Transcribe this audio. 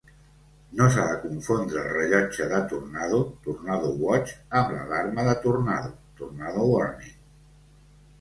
No s'ha de confondre el rellotge de tornado (tornado watch) amb l'alarma de tornado (tornado warning).